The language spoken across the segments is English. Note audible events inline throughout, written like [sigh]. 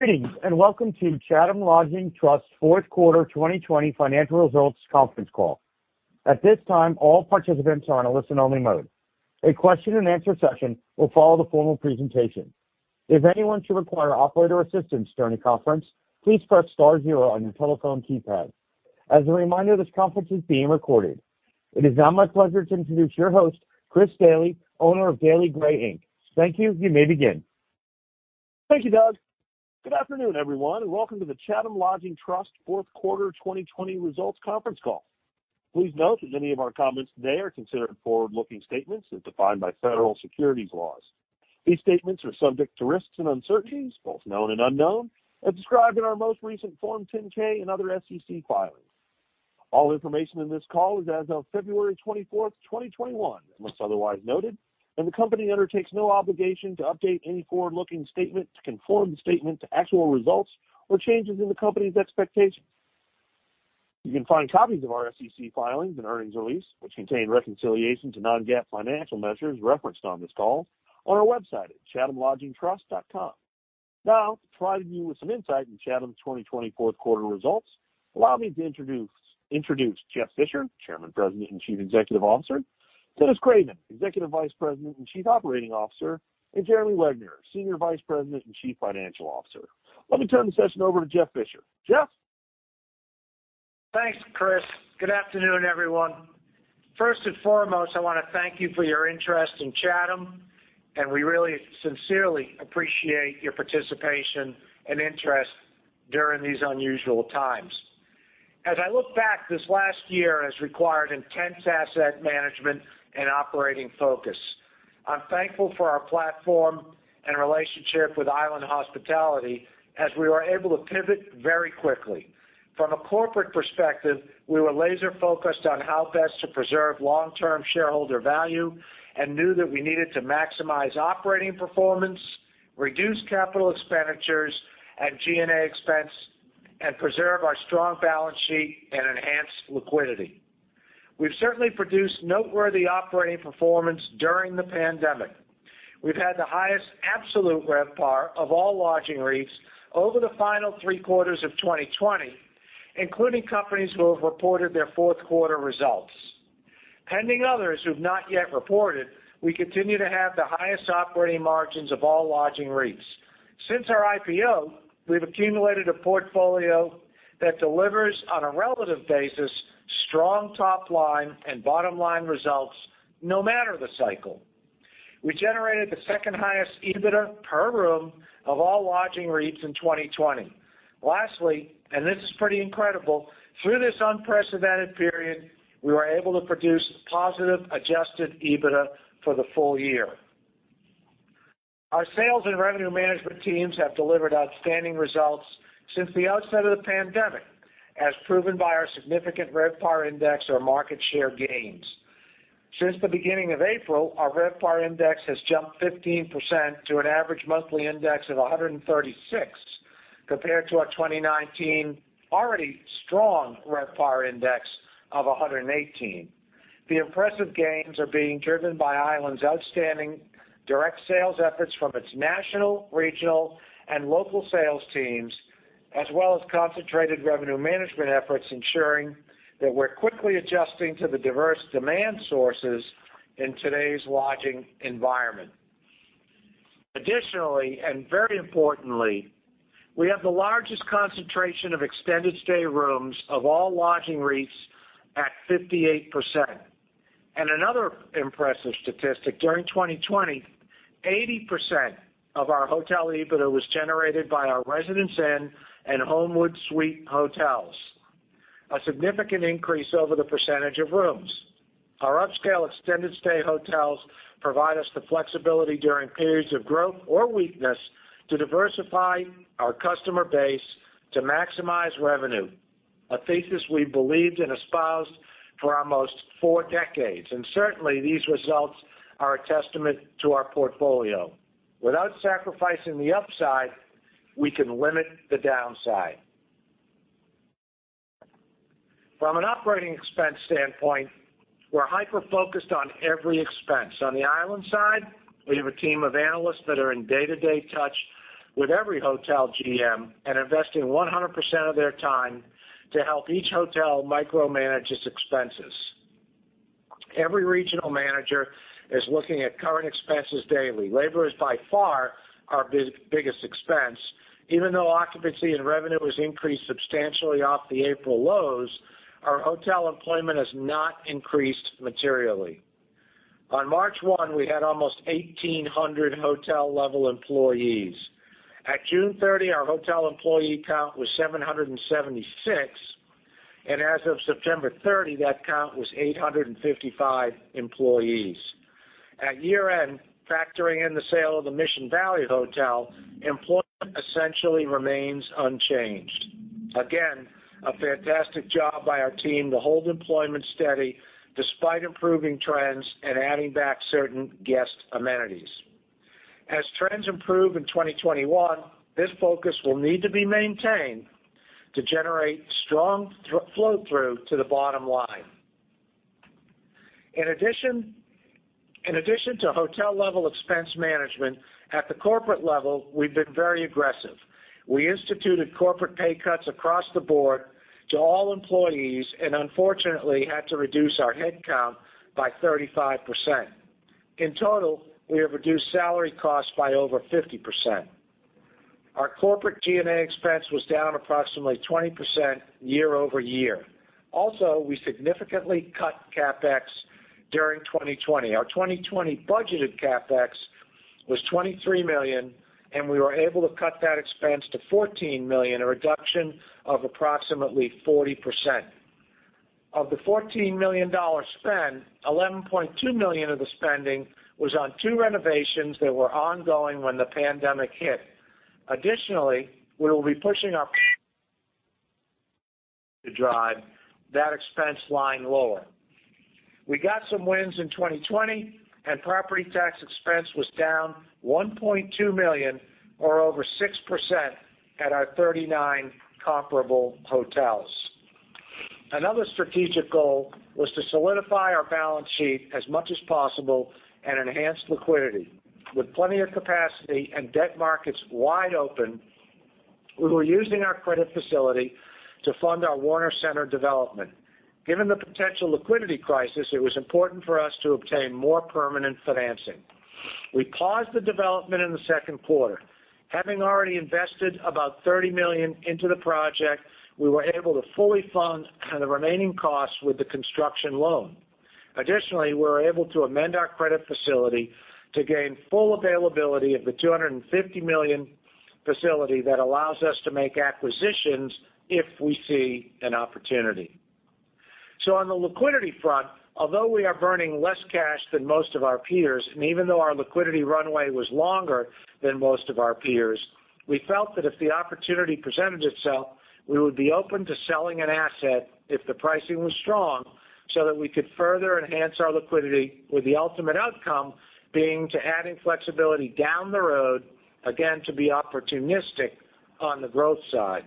Greetings and welcome to Chatham Lodging Trust's Fourth Quarter 2020 Financial Results Conference Call. At this time, all participants are in a listen-only mode. A question-and-answer session will follow the formal presentation. If anyone should require operator assistance during the conference, please press star zero on your telephone keypad. As a reminder, this conference is being recorded. It is now my pleasure to introduce your host, Chris Daly, President of Daly Gray Inc. Thank you, you may begin. Thank you, Doug. Good afternoon, everyone, and welcome to the Chatham Lodging Trust Fourth Quarter 2020 Results Conference Call. Please note that many of our comments today are considered forward-looking statements as defined by federal securities laws. These statements are subject to risks and uncertainties, both known and unknown, as described in our most recent Form 10-K and other SEC filings. All information in this call is as of February 24th, 2021, unless otherwise noted, and the company undertakes no obligation to update any forward-looking statement to conform the statement to actual results or changes in the company's expectations. You can find copies of our SEC filings and earnings release, which contain reconciliation to non-GAAP financial measures referenced on this call, on our website at chathamlodgingtrust.com. Now, to provide you with some insight into Chatham's 2020 fourth quarter results, allow me to introduce Jeff Fisher, Chairman, President, and Chief Executive Officer, Dennis Craven, Executive Vice President and Chief Operating Officer, and Jeremy Wegner, Senior Vice President and Chief Financial Officer. Let me turn the session over to Jeff Fisher. Jeff? Thanks, Chris. Good afternoon, everyone. First and foremost, I want to thank you for your interest in Chatham, and we really sincerely appreciate your participation and interest during these unusual times. As I look back, this last year has required intense asset management and operating focus. I'm thankful for our platform and relationship with Island Hospitality as we were able to pivot very quickly. From a corporate perspective, we were laser-focused on how best to preserve long-term shareholder value and knew that we needed to maximize operating performance, reduce capital expenditures and G&A expense, and preserve our strong balance sheet and enhance liquidity. We've certainly produced noteworthy operating performance during the pandemic. We've had the highest absolute RevPAR of all lodging REITs over the final three quarters of 2020, including companies who have reported their fourth quarter results. Pending others who've not yet reported, we continue to have the highest operating margins of all lodging REITs. Since our IPO, we've accumulated a portfolio that delivers, on a relative basis, strong top-line and bottom-line results no matter the cycle. We generated the second-highest EBITDA per room of all lodging REITs in 2020. Lastly, and this is pretty incredible, through this unprecedented period, we were able to produce positive adjusted EBITDA for the full year. Our sales and revenue management teams have delivered outstanding results since the outset of the pandemic, as proven by our significant RevPAR index, our market share gains. Since the beginning of April, our RevPAR index has jumped 15% to an average monthly index of 136, compared to our 2019 already strong RevPAR index of 118. The impressive gains are being driven by Island's outstanding direct sales efforts from its national, regional, and local sales teams, as well as concentrated revenue management efforts ensuring that we're quickly adjusting to the diverse demand sources in today's lodging environment. Additionally, and very importantly, we have the largest concentration of extended stay rooms of all lodging REITs at 58%. Another impressive statistic: during 2020, 80% of our hotel EBITDA was generated by our Residence Inn and Homewood Suites hotels, a significant increase over the percentage of rooms. Our upscale extended stay hotels provide us the flexibility during periods of growth or weakness to diversify our customer base to maximize revenue, a thesis we believed and espoused for almost four decades. Certainly, these results are a testament to our portfolio. Without sacrificing the upside, we can limit the downside. From an operating expense standpoint, we're hyper-focused on every expense. On the Island side, we have a team of analysts that are in day-to-day touch with every hotel GM and investing 100% of their time to help each hotel micromanage its expenses. Every regional manager is looking at current expenses daily. Labor is by far our biggest expense. Even though occupancy and revenue has increased substantially off the April lows, our hotel employment has not increased materially. On March 1, we had almost 1,800 hotel-level employees. At June 30, our hotel employee count was 776, and as of September 30, that count was 855 employees. At year-end, factoring in the sale of the Mission Valley hotel, employment essentially remains unchanged. Again, a fantastic job by our team to hold employment steady despite improving trends and adding back certain guest amenities. As trends improve in 2021, this focus will need to be maintained to generate strong flow-through to the bottom line. In addition to hotel-level expense management, at the corporate level, we've been very aggressive. We instituted corporate pay cuts across the board to all employees and, unfortunately, had to reduce our headcount by 35%. In total, we have reduced salary costs by over 50%. Our corporate G&A expense was down approximately 20% year-over-year. Also, we significantly cut CapEx during 2020. Our 2020 budgeted CapEx was $23 million, and we were able to cut that expense to $14 million, a reduction of approximately 40%. Of the $14 million spend, $11.2 million of the spending was on two renovations that were ongoing when the pandemic hit. Additionally, we will be pushing our to drive that expense line lower. We got some wins in 2020, and property tax expense was down $1.2 million, or over 6%, at our 39 comparable hotels. Another strategic goal was to solidify our balance sheet as much as possible and enhance liquidity. With plenty of capacity and debt markets wide open, we were using our credit facility to fund our Warner Center development. Given the potential liquidity crisis, it was important for us to obtain more permanent financing. We paused the development in the second quarter. Having already invested about $30 million into the project, we were able to fully fund the remaining costs with the construction loan. Additionally, we were able to amend our credit facility to gain full availability of the $250 million facility that allows us to make acquisitions if we see an opportunity. On the liquidity front, although we are burning less cash than most of our peers, and even though our liquidity runway was longer than most of our peers, we felt that if the opportunity presented itself, we would be open to selling an asset if the pricing was strong so that we could further enhance our liquidity, with the ultimate outcome being to adding flexibility down the road, again, to be opportunistic on the growth side.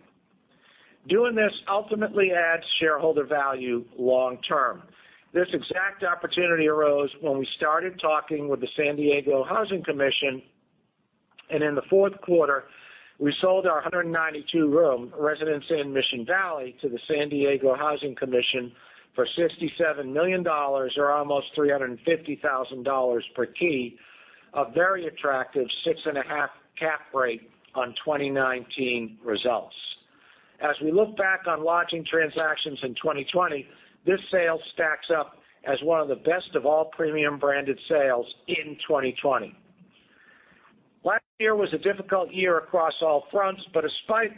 Doing this ultimately adds shareholder value long-term. This exact opportunity arose when we started talking with the San Diego Housing Commission, and in the fourth quarter, we sold our 192-room Residence Inn Mission Valley to the San Diego Housing Commission for $67 million, or almost $350,000 per key, a very attractive six-and-a-half cap rate on 2019 results. As we look back on lodging transactions in 2020, this sale stacks up as one of the best of all premium-branded sales in 2020. Last year was a difficult year across all fronts, but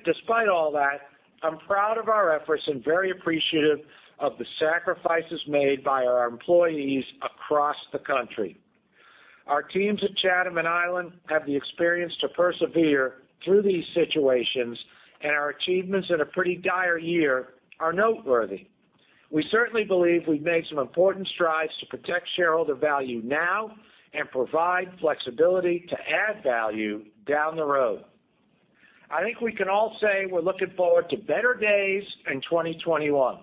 despite all that, I'm proud of our efforts and very appreciative of the sacrifices made by our employees across the country. Our teams at Chatham and Island have the experience to persevere through these situations, and our achievements in a pretty dire year are noteworthy. We certainly believe we've made some important strides to protect shareholder value now and provide flexibility to add value down the road. I think we can all say we're looking forward to better days in 2021.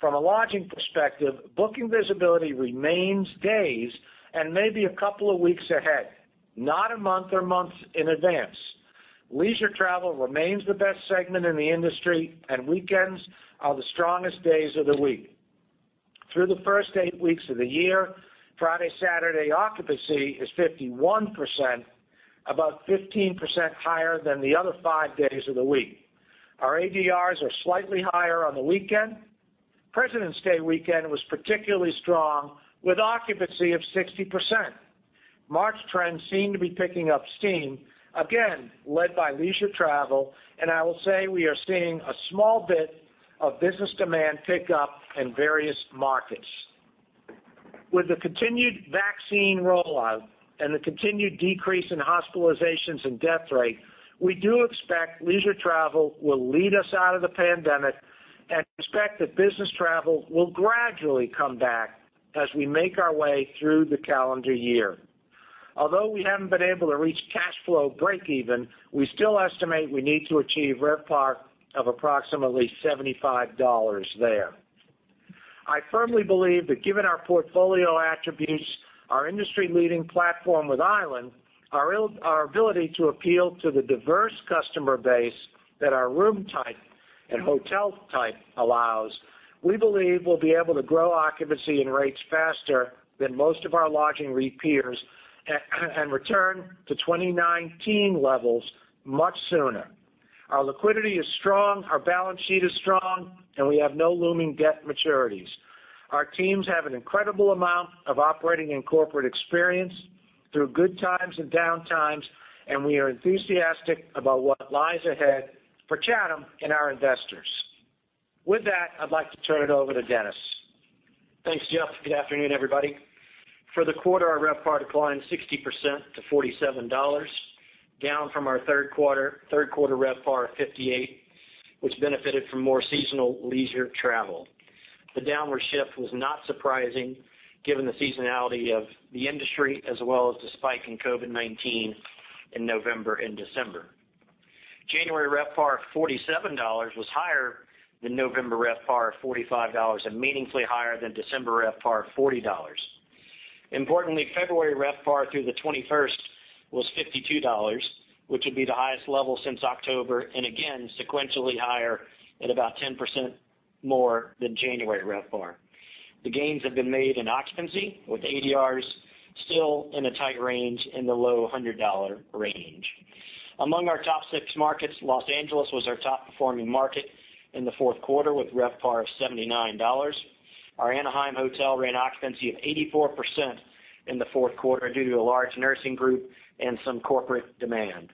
From a lodging perspective, booking visibility remains days and maybe a couple of weeks ahead, not a month or months in advance. Leisure travel remains the best segment in the industry, and weekends are the strongest days of the week. Through the first eight weeks of the year, Friday-Saturday occupancy is 51%, about 15% higher than the other five days of the week. Our ADRs are slightly higher on the weekend. Presidents Day weekend was particularly strong, with occupancy of 60%. March trends seem to be picking up steam, again, led by leisure travel, and I will say we are seeing a small bit of business demand pick up in various markets. With the continued vaccine rollout and the continued decrease in hospitalizations and death rate, we do expect leisure travel will lead us out of the pandemic, and expect that business travel will gradually come back as we make our way through the calendar year. Although we haven't been able to reach cash flow break-even, we still estimate we need to achieve RevPAR of approximately $75 there. I firmly believe that given our portfolio attributes, our industry-leading platform with Island, our ability to appeal to the diverse customer base that our room type and hotel type allows, we believe we'll be able to grow occupancy and rates faster than most of our lodging REIT peers and return to 2019 levels much sooner. Our liquidity is strong, our balance sheet is strong, and we have no looming debt maturities. Our teams have an incredible amount of operating and corporate experience through good times and downtimes, and we are enthusiastic about what lies ahead for Chatham and our investors. With that, I'd like to turn it over to Dennis. Thanks, Jeff. Good afternoon, everybody. For the quarter, our RevPAR declined 60% to $47, down from our third quarter RevPAR of $58, which benefited from more seasonal leisure travel. The downward shift was not surprising given the seasonality of the industry, as well as the spike in COVID-19 in November and December. January RevPAR of $47 was higher than November RevPAR of $45, and meaningfully higher than December RevPAR of $40. Importantly, February RevPAR through the 21st was $52, which would be the highest level since October, and again, sequentially higher at about 10% more than January RevPAR. The gains have been made in occupancy, with ADRs still in a tight range in the low $100 range. Among our top six markets, Los Angeles was our top-performing market in the fourth quarter with RevPAR of $79. Our Anaheim hotel ran occupancy of 84% in the fourth quarter due to a large nursing group and some corporate demand.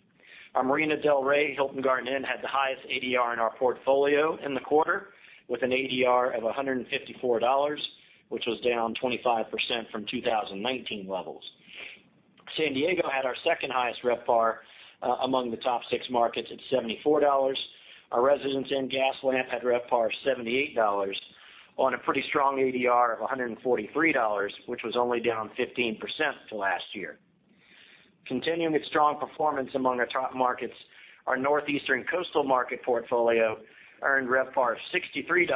Our Marina del Rey Hilton Garden Inn had the highest ADR in our portfolio in the quarter with an ADR of $154, which was down 25% from 2019 levels. San Diego had our second-highest RevPAR among the top six markets at $74. Our Residence Inn Gaslamp had RevPAR of $78 on a pretty strong ADR of $143, which was only down 15% to last year. Continuing its strong performance among our top markets, our Northeastern Coastal Market portfolio earned RevPAR of $63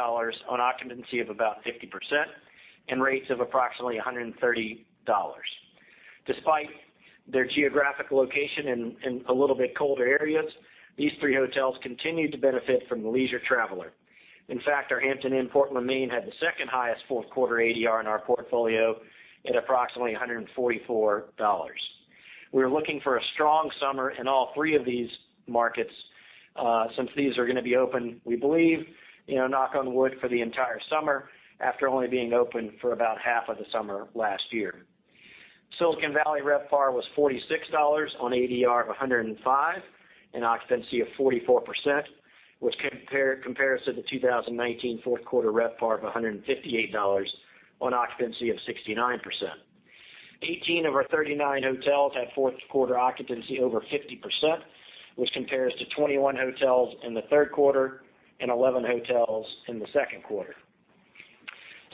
on occupancy of about 50% and rates of approximately $130. Despite their geographic location in a little bit colder areas, these three hotels continued to benefit from the leisure traveler. In fact, our Hampton Inn Portland, Maine had the second-highest fourth-quarter ADR in our portfolio at approximately $144. We're looking for a strong summer in all three of these markets since these are going to be open, we believe, knock on wood, for the entire summer after only being open for about half of the summer last year. Silicon Valley RevPAR was $46 on ADR of $105 and occupancy of 44%, which compares to the 2019 fourth-quarter RevPAR of $158 on occupancy of 69%. Eighteen of our 39 hotels had fourth-quarter occupancy over 50%, which compares to 21 hotels in the third quarter and 11 hotels in the second quarter.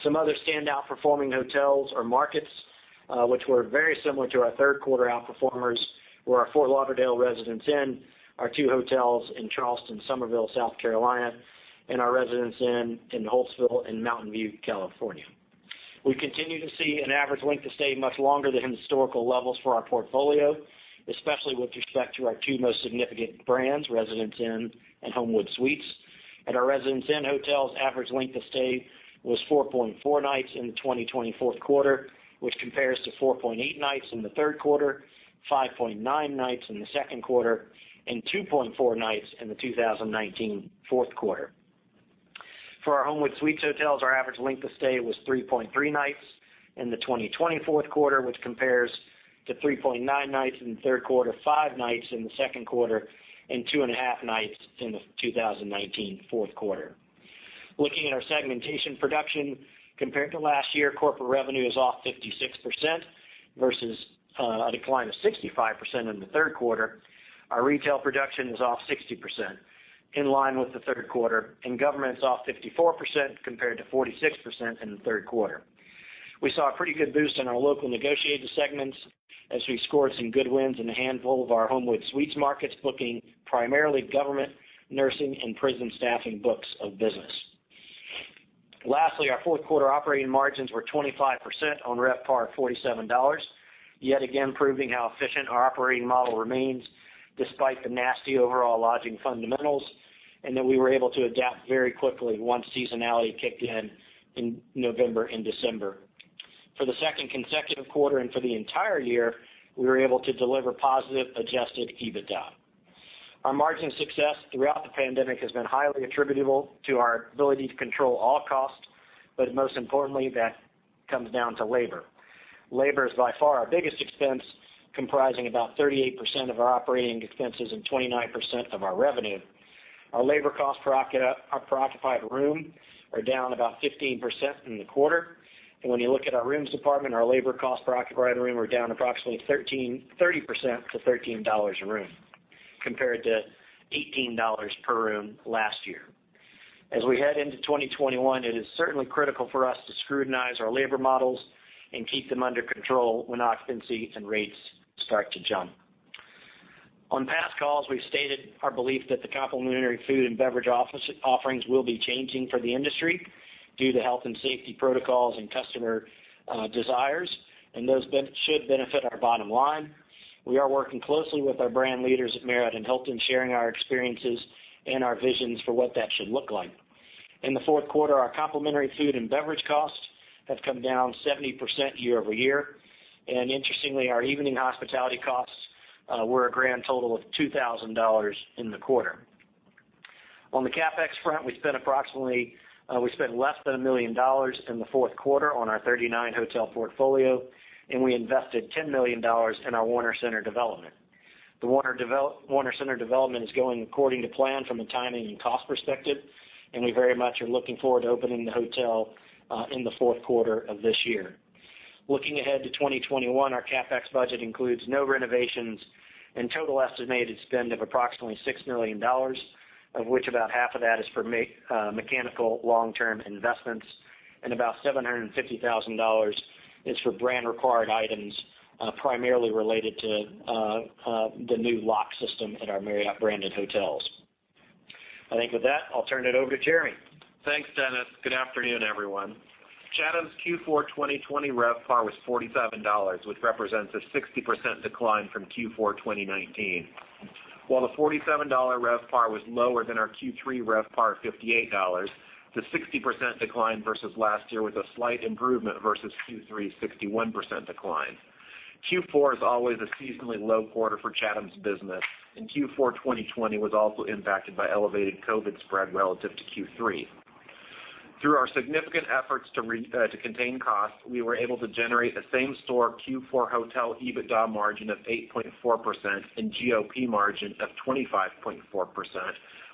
Some other standout performing hotels or markets, which were very similar to our third-quarter outperformers, were our Fort Lauderdale Residence Inn, our two hotels in Charleston, Summerville, South Carolina, and our Residence Inn in Holtsville and Mountain View, California. We continue to see an average length of stay much longer than historical levels for our portfolio, especially with respect to our two most significant brands, Residence Inn and Homewood Suites. At our Residence Inn hotels, average length of stay was 4.4 nights in the 2020 fourth quarter, which compares to 4.8 nights in the third quarter, 5.9 nights in the second quarter, and 2.4 nights in the 2019 fourth quarter. For our Homewood Suites hotels, our average length of stay was 3.3 nights in the 2020 fourth quarter, which compares to 3.9 nights in the third quarter, 5 nights in the second quarter, and 2.5 nights in the 2019 fourth quarter. Looking at our segmentation production, compared to last year, corporate revenue is off 56% versus a decline of 65% in the third quarter. Our retail production is off 60% in line with the third quarter, and government's off 54% compared to 46% in the third quarter. We saw a pretty good boost in our local negotiated segments as we scored some good wins in a handful of our Homewood Suites markets, booking primarily government, nursing, and prison staffing books of business. Lastly, our fourth-quarter operating margins were 25% on RevPAR of $47, yet again proving how efficient our operating model remains despite the nasty overall lodging fundamentals and that we were able to adapt very quickly once seasonality kicked in in November and December. For the second consecutive quarter and for the entire year, we were able to deliver positive adjusted EBITDA. Our margin success throughout the pandemic has been highly attributable to our ability to control all costs, but most importantly, that comes down to labor. Labor is by far our biggest expense, comprising about 38% of our operating expenses and 29% of our revenue. Our labor costs per occupied room are down about 15% in the quarter. When you look at our rooms department, our labor costs per occupied room are down approximately 30% to $13 a room compared to $18 per room last year. As we head into 2021, it is certainly critical for us to scrutinize our labor models and keep them under control when occupancy and rates start to jump. On past calls, we've stated our belief that the complimentary food and beverage offerings will be changing for the industry due to health and safety protocols and customer desires, and those should benefit our bottom line. We are working closely with our brand leaders at Marriott and Hilton, sharing our experiences and our visions for what that should look like. In the fourth quarter, our complimentary food and beverage costs have come down 70% year-over-year. Interestingly, our evening hospitality costs were a grand total of $2,000 in the quarter. On the CapEx front, we spent approximately less than $1 million in the fourth quarter on our 39-hotel portfolio, and we invested $10 million in our Warner Center development. The Warner Center development is going according to plan from a timing and cost perspective, and we very much are looking forward to opening the hotel in the fourth quarter of this year. Looking ahead to 2021, our CapEx budget includes no renovations and total estimated spend of approximately $6 million, of which about half of that is for mechanical long-term investments, and about $750,000 is for brand-required items primarily related to the new lock system at our Marriott-branded hotels. I think with that, I'll turn it over to Jeremy. Thanks, Dennis. Good afternoon, everyone. Chatham's Q4 2020 RevPAR was $47, which represents a 60% decline from Q4 2019. While the $47 RevPAR was lower than our Q3 RevPAR of $58, the 60% decline versus last year was a slight improvement versus Q3 61% decline. Q4 is always a seasonally low quarter for Chatham's business, and Q4 2020 was also impacted by elevated COVID spread relative to Q3. Through our significant efforts to contain costs, we were able to generate the same store Q4 hotel EBITDA margin of 8.4% and GOP margin of 25.4%,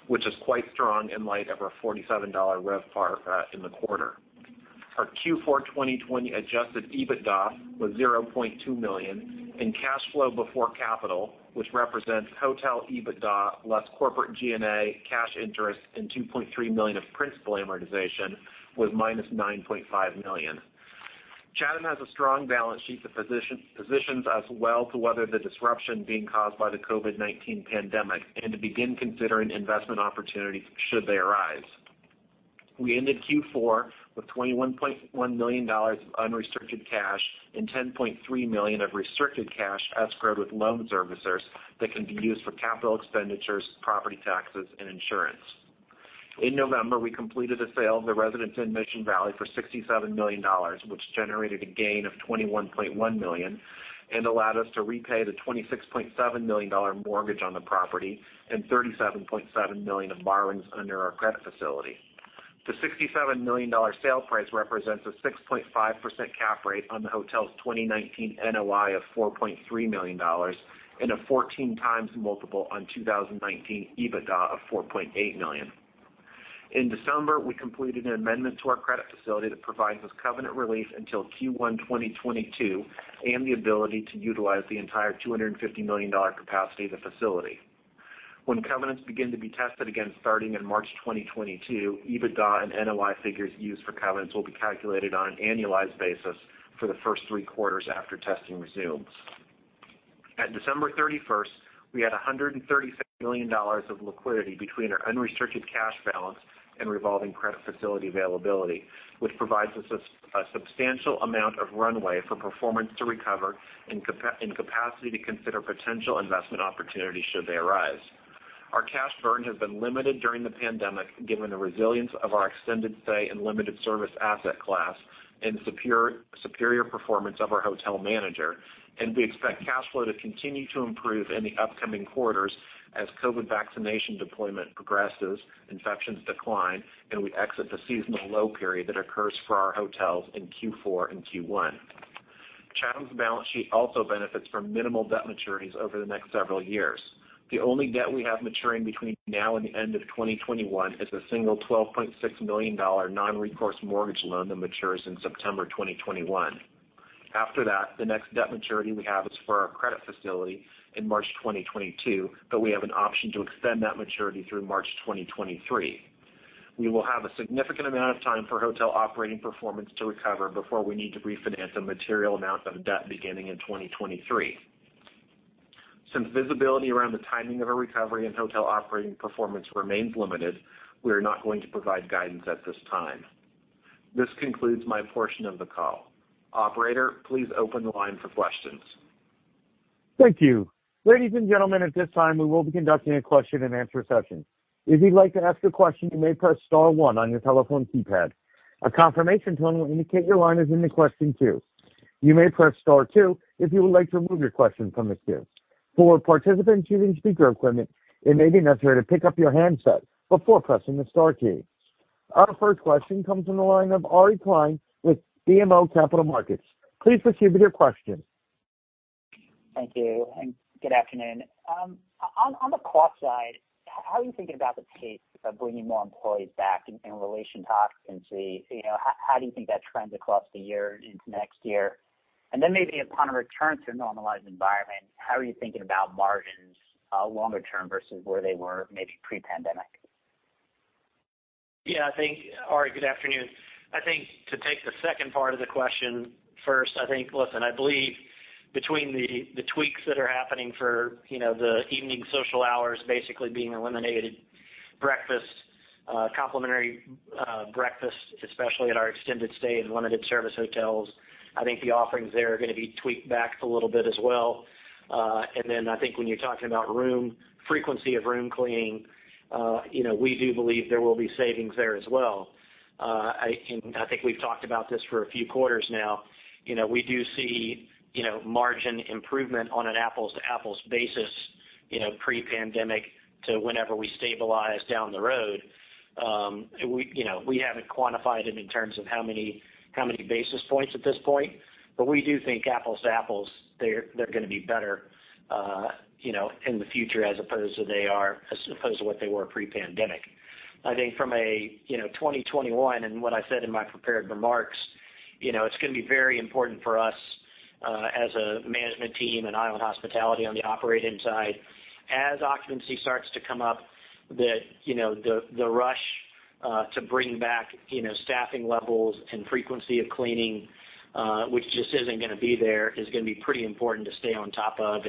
which is quite strong in light of our $47 RevPAR in the quarter. Our Q4 2020 adjusted EBITDA was $0.2 million, and cash flow before capital, which represents hotel EBITDA less corporate G&A cash interest and $2.3 million of principal amortization, was -$9.5 million. Chatham has a strong balance sheet that positions us well to weather the disruption being caused by the COVID-19 pandemic and to begin considering investment opportunities should they arise. We ended Q4 with $21.1 million of unrestricted cash and $10.3 million of restricted cash escrowed with loan servicers that can be used for capital expenditures, property taxes, and insurance. In November, we completed a sale of the Residence Inn Mission Valley for $67 million, which generated a gain of $21.1 million and allowed us to repay the $26.7 million mortgage on the property and $37.7 million of borrowings under our credit facility. The $67 million sale price represents a 6.5% cap rate on the hotel's 2019 NOI of $4.3 million and a 14 times multiple on 2019 EBITDA of $4.8 million. In December, we completed an amendment to our credit facility that provides us covenant relief until Q1 2022 and the ability to utilize the entire $250 million capacity of the facility. When covenants begin to be tested again, starting in March 2022, EBITDA and NOI figures used for covenants will be calculated on an annualized basis for the first three quarters after testing resumes. At December 31st, we had $136 million of liquidity between our unrestricted cash balance and revolving credit facility availability, which provides us a substantial amount of runway for performance to recover and capacity to consider potential investment opportunities should they arise. Our cash burn has been limited during the pandemic given the resilience of our extended stay and limited service asset class and superior performance of our hotel manager, and we expect cash flow to continue to improve in the upcoming quarters as COVID vaccination deployment progresses, infections decline, and we exit the seasonal low period that occurs for our hotels in Q4 and Q1. Chatham's balance sheet also benefits from minimal debt maturities over the next several years. The only debt we have maturing between now and the end of 2021 is a single $12.6 million non-recourse mortgage loan that matures in September 2021. After that, the next debt maturity we have is for our credit facility in March 2022, but we have an option to extend that maturity through March 2023. We will have a significant amount of time for hotel operating performance to recover before we need to refinance a material amount of debt beginning in 2023. Since visibility around the timing of a recovery in hotel operating performance remains limited, we are not going to provide guidance at this time. This concludes my portion of the call. Operator, please open the line for questions. Thank you. Ladies and gentlemen, at this time, we will be conducting a question-and-answer session. If you'd like to ask a question, you may press star one on your telephone keypad. A confirmation tone will indicate your line is in the question queue. You may press star two if you would like to remove your question from the queue. For participants using speaker equipment, it may be necessary to pick up your handset before pressing the star key. Our first question comes from the line of Ari Klein with BMO Capital Markets. Please proceed with your question. Thank you. Good afternoon. On the cost side, how are you thinking about the pace of bringing more employees back in relation to occupancy? How do you think that trends across the year into next year? Maybe upon a return to a normalized environment, how are you thinking about margins longer term versus where they were maybe pre-pandemic? Yeah. Ari, good afternoon. I think to take the second part of the question first, I think, listen, I believe between the tweaks that are happening for the evening social hours basically being eliminated, breakfast, complimentary breakfast, especially at our extended stay and limited service hotels, I think the offerings there are going to be tweaked back a little bit as well. I think when you're talking about frequency of room cleaning, we do believe there will be savings there as well. I think we've talked about this for a few quarters now. We do see margin improvement on an apples-to-apples basis pre-pandemic to whenever we stabilize down the road. We haven't quantified it in terms of how many basis points at this point, but we do think apples-to-apples, they're going to be better in the future as opposed to what they were pre-pandemic. I think from a 2021, and what I said in my prepared remarks, it's going to be very important for us as a management team and Island Hospitality on the operating side. As occupancy starts to come up, the rush to bring back staffing levels and frequency of cleaning, which just isn't going to be there, is going to be pretty important to stay on top of.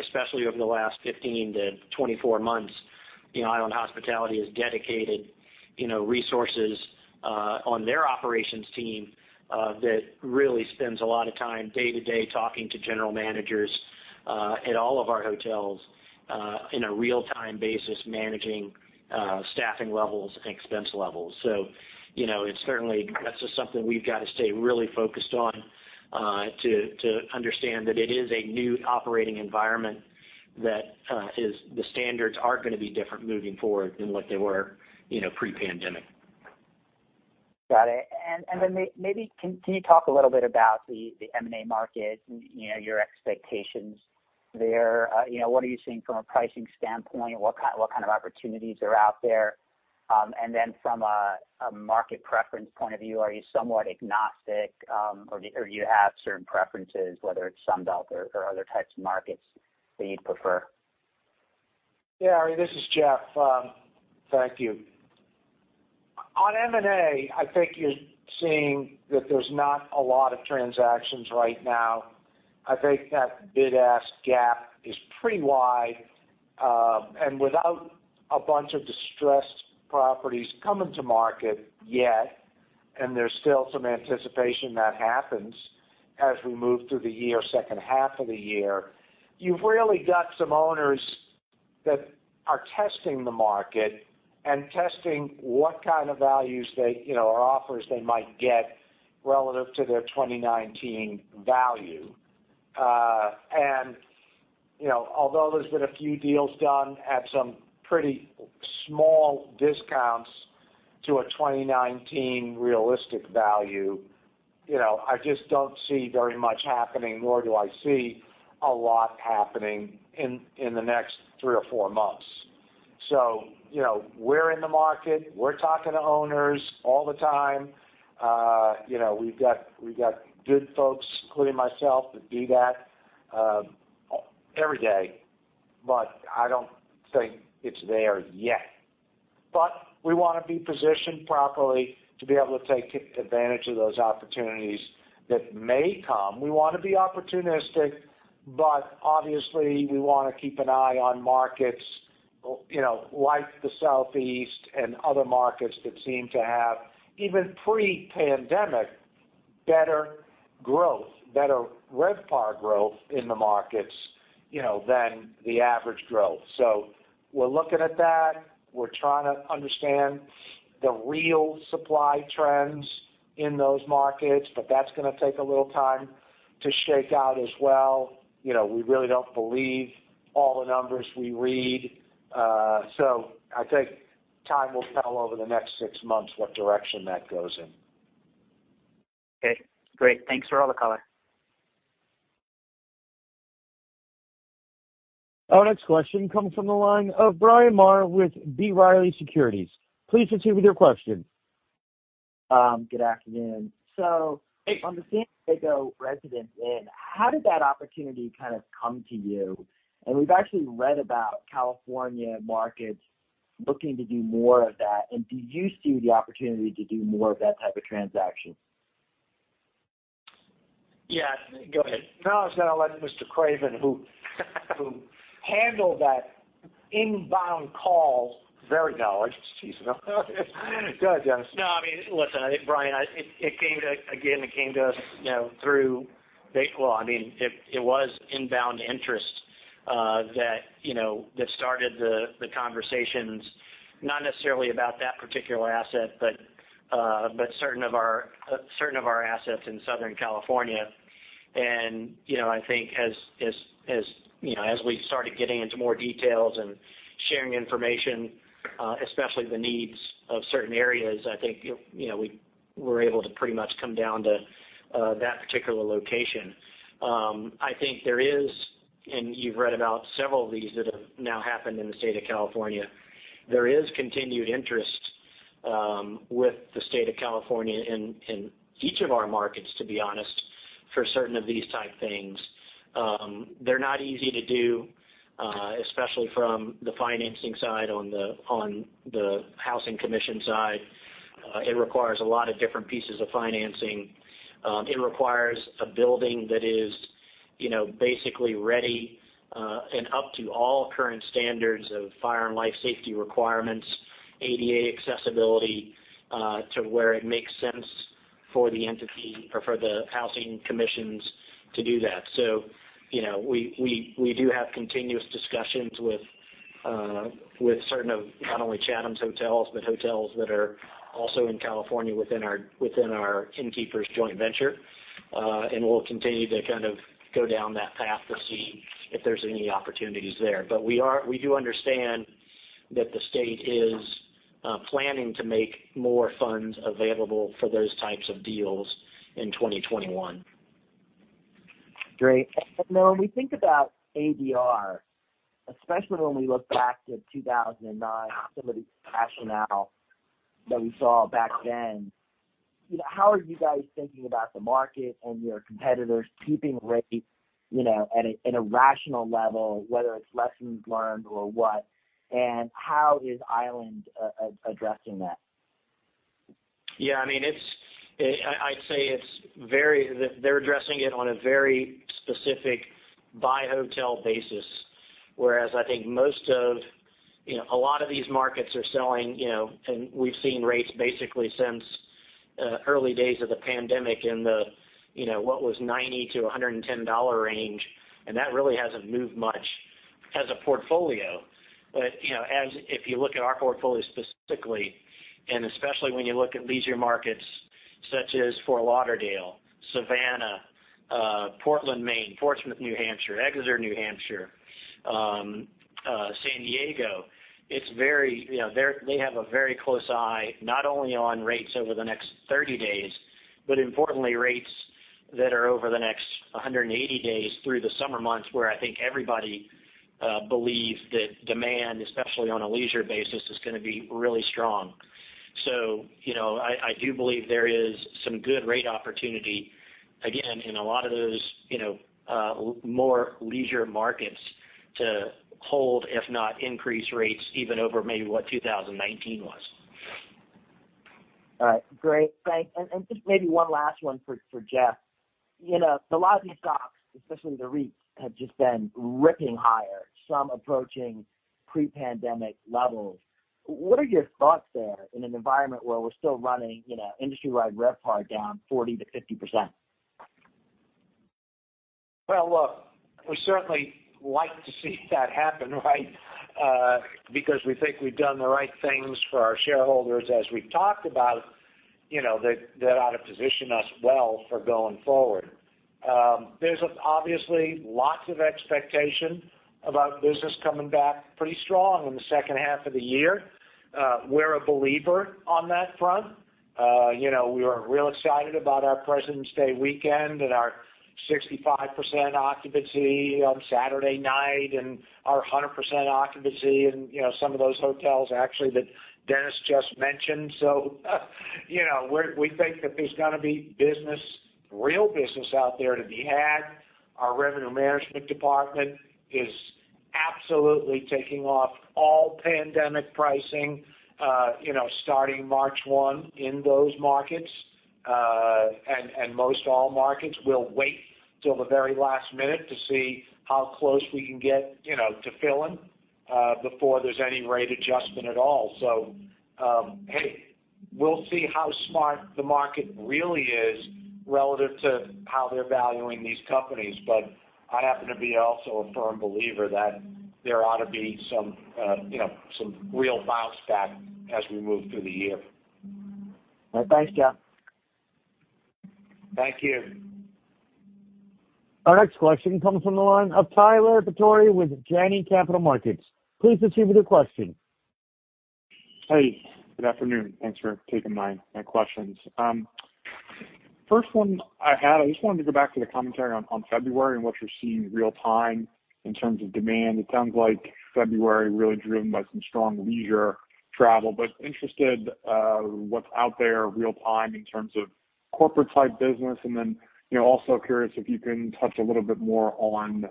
Especially over the last 15-24 months, Island Hospitality has dedicated resources on their operations team that really spends a lot of time day-to-day talking to general managers at all of our hotels in a real-time basis managing staffing levels and expense levels. It is certainly just something we've got to stay really focused on to understand that it is a new operating environment that the standards aren't going to be different moving forward than what they were pre-pandemic. Got it. Can you talk a little bit about the M&A market, your expectations there? What are you seeing from a pricing standpoint? What kind of opportunities are out there? From a market preference point of view, are you somewhat agnostic or do you have certain preferences, whether it is Sunbelt or other types of markets that you would prefer? Yeah. Ari, this is Jeff. Thank you. On M&A, I think you're seeing that there's not a lot of transactions right now. I think that bid-ask gap is pretty wide. Without a bunch of distressed properties coming to market yet, and there's still some anticipation that happens as we move through the year or second half of the year, you've really got some owners that are testing the market and testing what kind of values or offers they might get relative to their 2019 value. Although there's been a few deals done at some pretty small discounts to a 2019 realistic value, I just don't see very much happening, nor do I see a lot happening in the next three or four months. We're in the market. We're talking to owners all the time. We've got good folks, including myself, that do that every day, but I don't think it's there yet. We want to be positioned properly to be able to take advantage of those opportunities that may come. We want to be opportunistic, obviously, we want to keep an eye on markets like the Southeast and other markets that seem to have even pre-pandemic better growth, better RevPAR growth in the markets than the average growth. We're looking at that. We're trying to understand the real supply trends in those markets, but that's going to take a little time to shake out as well. We really don't believe all the numbers we read. I think time will tell over the next six months what direction that goes in. Okay. Great. Thanks for all the color. Our next question comes from the line of Brian Maher with B. Riley Securities. Please proceed with your question. Good afternoon. I'm a San Diego resident, and how did that opportunity kind of come to you? We've actually read about California markets looking to do more of that. Do you see the opportunity to do more of that type of transaction? Yeah. Go ahead. Now I've got to let Mr. Craven, who handled that inbound call, very knowledge. Excuse me. Go ahead, Dennis. No, I mean, listen, Brian, it came to again, it came to us through, I mean, it was inbound interest that started the conversations, not necessarily about that particular asset, but certain of our assets in Southern California. I think as we started getting into more details and sharing information, especially the needs of certain areas, I think we were able to pretty much come down to that particular location. I think there is, and you've read about several of these that have now happened in the state of California, there is continued interest with the state of California in each of our markets, to be honest, for certain of these type things. They're not easy to do, especially from the financing side on the housing commission side. It requires a lot of different pieces of financing. It requires a building that is basically ready and up to all current standards of fire and life safety requirements, ADA accessibility to where it makes sense for the entity or for the housing commissions to do that. We do have continuous discussions with certain of not only Chatham's hotels, but hotels that are also in California within our Innkeepers joint venture. We will continue to kind of go down that path to see if there are any opportunities there. We do understand that the state is planning to make more funds available for those types of deals in 2021. Great. When we think about ADR, especially when we look back to 2009, some of the rationale that we saw back then, how are you guys thinking about the market and your competitors keeping rates at a rational level, whether it's lessons learned or what? How is Island addressing that? Yeah. I mean, I'd say they're addressing it on a very specific buy-hotel basis, whereas I think most of a lot of these markets are selling, and we've seen rates basically since early days of the pandemic in the what was $90-$110 range, and that really hasn't moved much as a portfolio. If you look at our portfolio specifically, and especially when you look at leisure markets such as Fort Lauderdale, Savannah, Portland, Maine, Portsmouth, New Hampshire, Exeter, New Hampshire, San Diego, they have a very close eye not only on rates over the next 30 days, but importantly, rates that are over the next 180 days through the summer months where I think everybody believes that demand, especially on a leisure basis, is going to be really strong. I do believe there is some good rate opportunity, again, in a lot of those more leisure markets to hold, if not increase rates, even over maybe what 2019 was. All right. Great. Thanks. Just maybe one last one for Jeff. A lot of these stocks, especially the REIT, have just been ripping higher, some approaching pre-pandemic levels. What are your thoughts there in an environment where we're still running industry-wide RevPAR down 40-50%? Look, we certainly like to see that happen, right, because we think we've done the right things for our shareholders as we've talked about that ought to position us well for going forward. There's obviously lots of expectation about business coming back pretty strong in the second half of the year. We're a believer on that front. We were real excited about our Presidents Day weekend and our 65% occupancy on Saturday night and our 100% occupancy in some of those hotels actually that Dennis just mentioned. We think that there's going to be real business out there to be had. Our revenue management department is absolutely taking off all pandemic pricing starting March 1 in those markets, and most all markets. We'll wait till the very last minute to see how close we can get to filling before there's any rate adjustment at all. Hey, we'll see how smart the market really is relative to how they're valuing these companies. I happen to be also a firm believer that there ought to be some real bounce back as we move through the year. All right. Thanks, Jeff. Thank you. Our next question comes from the line of Tyler Batory with Janney Capital Markets. Please proceed with your question. Hey. Good afternoon. Thanks for taking my questions. First one I had, I just wanted to go back to the commentary on February and what you're seeing real-time in terms of demand. It sounds like February really driven by some strong leisure travel, but interested what's out there real-time in terms of corporate-type business. Also curious if you can touch a little bit more on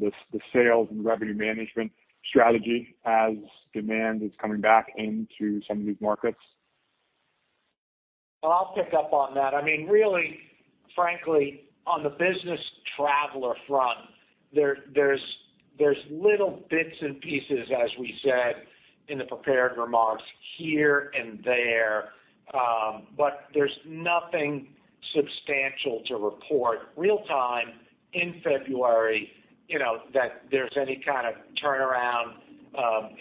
the sales and revenue management strategy as demand is coming back into some of these markets. I will pick up on that. I mean, really, frankly, on the business traveler front, there are little bits and pieces, as we said in the prepared remarks here and there, but there is nothing substantial to report real-time in February that there is any kind of turnaround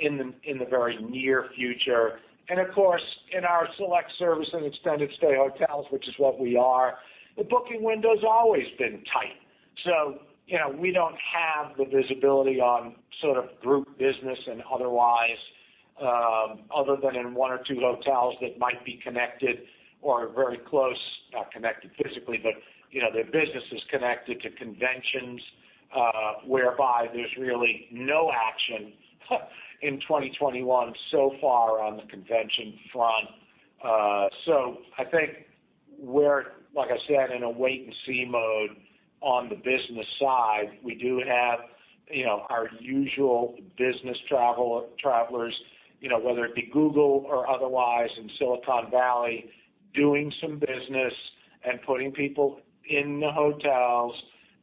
in the very near future. Of course, in our select service and extended stay hotels, which is what we are, the booking window has always been tight. We do not have the visibility on sort of group business and otherwise other than in one or two hotels that might be connected or very close, not connected physically, but their business is connected to conventions whereby there is really no action in 2021 so far on the convention front. I think we are, like I said, in a wait-and-see mode on the business side. We do have our usual business travelers, whether it be Google or otherwise in Silicon Valley, doing some business and putting people in the hotels,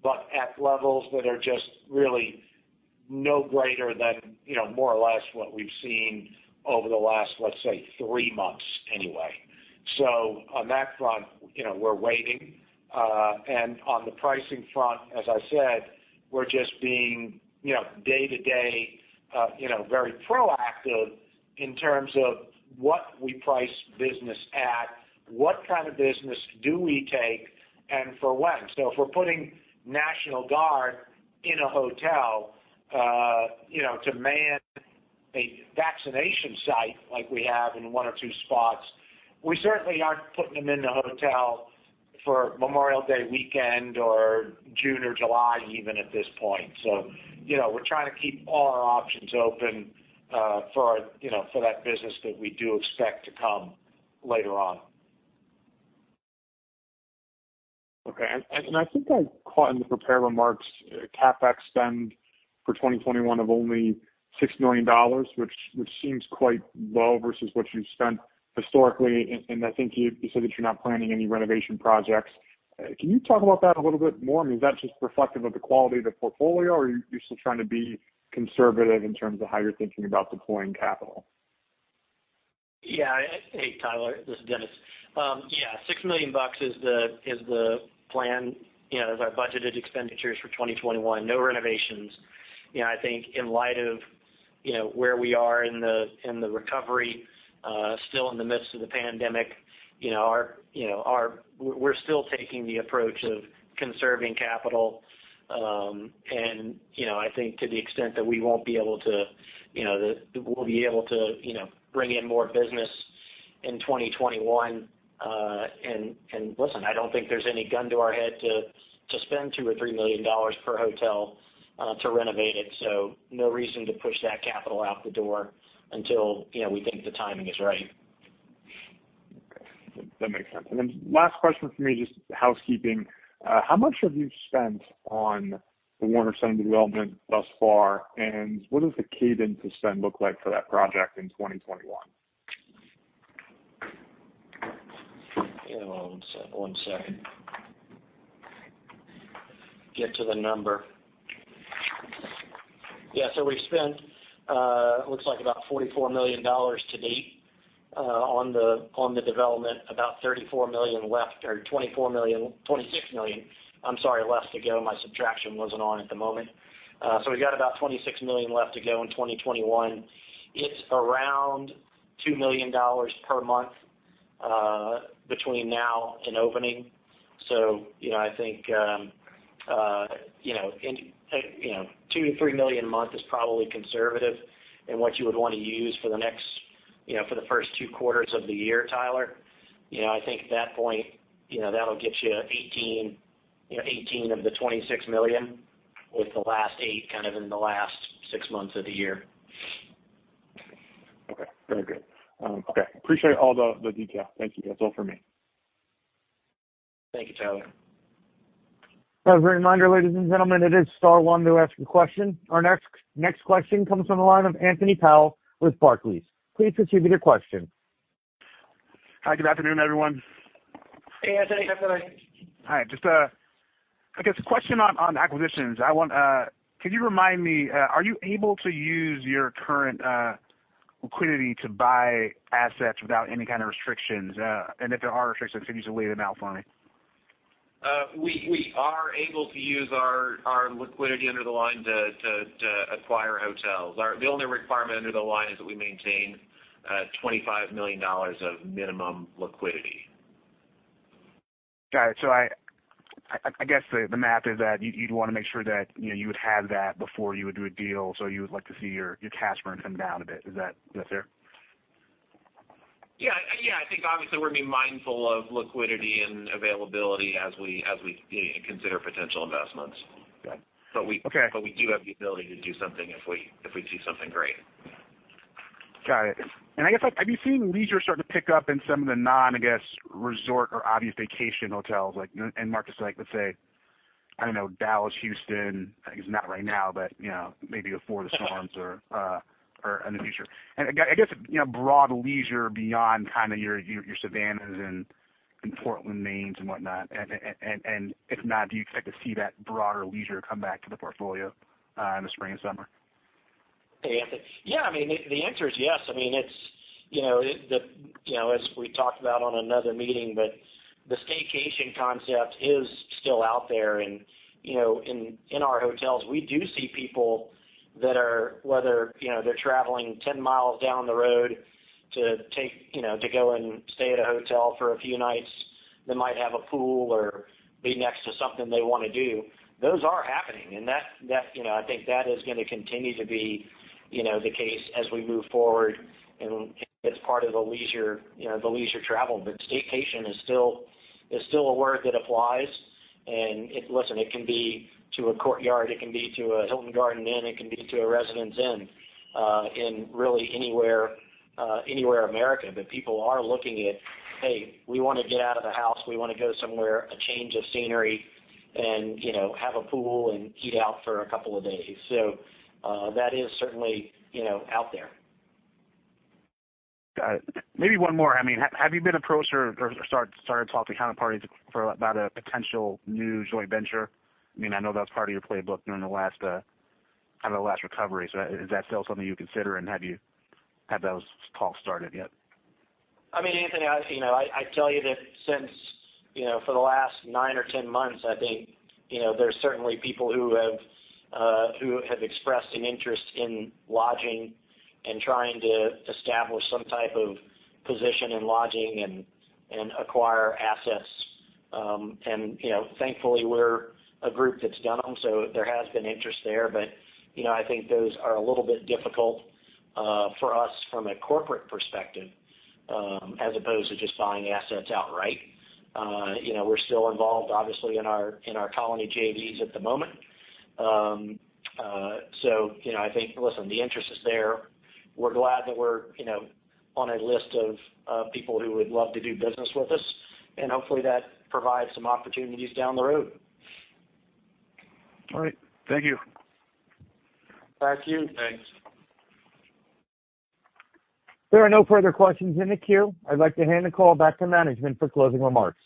but at levels that are just really no greater than more or less what we've seen over the last, let's say, three months anyway. On that front, we're waiting. On the pricing front, as I said, we're just being day-to-day very proactive in terms of what we price business at, what kind of business do we take, and for when. If we're putting National Guard in a hotel to man a vaccination site like we have in one or two spots, we certainly aren't putting them in the hotel for Memorial Day weekend or June or July even at this point. We're trying to keep all our options open for that business that we do expect to come later on. Okay. I think I caught in the prepared remarks CapEx spend for 2021 of only $6 million, which seems quite low versus what you've spent historically. I think you said that you're not planning any renovation projects. Can you talk about that a little bit more? I mean, is that just reflective of the quality of the portfolio, or are you still trying to be conservative in terms of how you're thinking about deploying capital? Yeah. Hey, Tyler. This is Dennis. Yeah. $6 million is the plan as our budgeted expenditures for 2021. No renovations. I think in light of where we are in the recovery, still in the midst of the pandemic, we're still taking the approach of conserving capital. I think to the extent that we won't be able to, that we'll be able to bring in more business in 2021. Listen, I don't think there's any gun to our head to spend $2 million-$3 million per hotel to renovate it. No reason to push that capital out the door until we think the timing is right. Okay. That makes sense. Last question for me, just housekeeping. How much have you spent on the Warner Center development thus far, and what does the cadence of spend look like for that project in 2021? Hang on one second. Get to the number. Yeah. So we've spent, it looks like, about $44 million to date on the development, about $34 million left or $26 million. I'm sorry, left to go. My subtraction wasn't on at the moment. So we've got about $26 million left to go in 2021. It's around $2 million per month between now and opening. I think $2 million-$3 million a month is probably conservative in what you would want to use for the next for the first two quarters of the year, Tyler. I think at that point, that'll get you $18 million of the $26 million with the last $8 million kind of in the last six months of the year. Okay. Very good. Okay. Appreciate all the detail. Thank you. That's all for me. Thank you, Tyler. As a reminder, ladies and gentlemen, it is star one to ask a question. Our next question comes from the line of Anthony Powell with Barclays. Please proceed with your question. Hi. Good afternoon, everyone. Hey, Anthony. [audio distortion] Hi. Just a, I guess, question on acquisitions. Could you remind me, are you able to use your current liquidity to buy assets without any kind of restrictions? If there are restrictions, could you just lay them out for me? We are able to use our liquidity under the line to acquire hotels. The only requirement under the line is that we maintain $25 million of minimum liquidity. Got it. I guess the math is that you'd want to make sure that you would have that before you would do a deal. You would like to see your cash burn come down a bit. Is that fair? Yeah. Yeah. I think obviously we're going to be mindful of liquidity and availability as we consider potential investments. We do have the ability to do something if we see something great. Got it. I guess, have you seen leisure start to pick up in some of the non, I guess, resort or obvious vacation hotels? Marc is like, let's say, I don't know, Dallas, Houston. I guess not right now, but maybe before the storms or in the future. I guess broad leisure beyond kind of your Savannahs and Portland, Maines and whatnot. If not, do you expect to see that broader leisure come back to the portfolio in the spring and summer? Hey, Anthony. Yeah. I mean, the answer is yes. I mean, as we talked about on another meeting, the staycation concept is still out there. In our hotels, we do see people that are, whether they're traveling 10 miles down the road to go and stay at a hotel for a few nights that might have a pool or be next to something they want to do. Those are happening. I think that is going to continue to be the case as we move forward. It is part of the leisure travel. Staycation is still a word that applies. Listen, it can be to a Courtyard. It can be to a Hilton Garden Inn. It can be to a Residence Inn in really anywhere America. People are looking at, "Hey, we want to get out of the house. We want to go somewhere, a change of scenery, and have a pool and heat out for a couple of days. That is certainly out there. Got it. Maybe one more. I mean, have you been approached or started talking to counterparties about a potential new joint venture? I mean, I know that's part of your playbook during the last kind of the last recovery. Is that still something you consider? Have those talks started yet? I mean, Anthony, I tell you that since for the last nine or ten months, I think there's certainly people who have expressed an interest in lodging and trying to establish some type of position in lodging and acquire assets. Thankfully, we're a group that's done them. There has been interest there. I think those are a little bit difficult for us from a corporate perspective as opposed to just buying assets outright. We're still involved, obviously, in our Colony JVs at the moment. I think, listen, the interest is there. We're glad that we're on a list of people who would love to do business with us. Hopefully, that provides some opportunities down the road. All right. Thank you. Thank you. Thanks. There are no further questions in the queue. I'd like to hand the call back to management for closing remarks.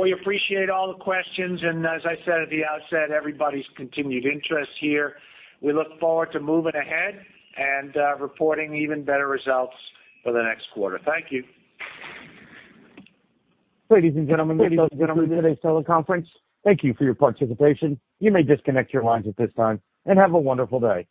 We appreciate all the questions. As I said at the outset, everybody's continued interest here. We look forward to moving ahead and reporting even better results for the next quarter. Thank you. Ladies and gentlemen, ladies and gentlemen of today's teleconference, thank you for your participation. You may disconnect your lines at this time and have a wonderful day.